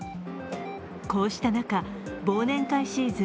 こうした中、忘年会シーズン